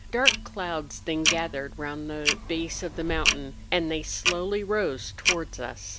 Dark clouds then gathered round the base of the mountain, and they slowly rose towards us.